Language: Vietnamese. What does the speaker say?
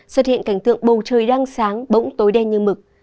xuất hiện cảnh tượng bầu trời đang sáng bỗng tối đen như mực